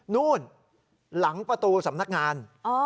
นู่นหลังประตูสำนักงาน